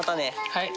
はい。